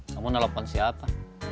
kamu telepon siapa